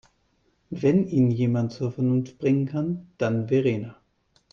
Wenn ihn jemand zur Vernunft bringen kann, dann Verena.